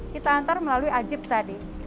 kita antar melalui ajib tadi